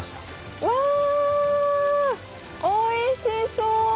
うわおいしそう！